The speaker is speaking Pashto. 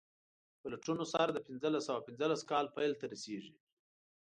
د پلټنو سر د پنځلس سوه پنځلس کال پیل ته رسیږي.